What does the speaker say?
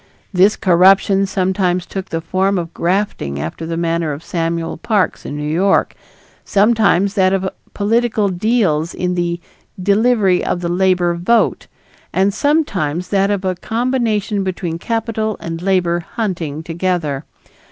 This corruption sometimes took the form of grafting after the manner of Samuel Parks in New York; sometimes that of political deals in the "delivery of the labor vote"; and sometimes that of a combination between capital and labor hunting together.